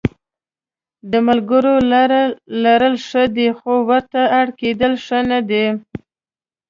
د ملګرو لرل ښه دي خو ورته اړ کېدل ښه نه دي.